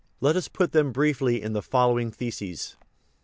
Let us put them briefly in the following theses : I.